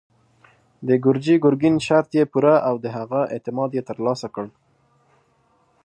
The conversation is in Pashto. د ګرجي ګرګين شرط يې پوره او د هغه اعتماد يې تر لاسه کړ.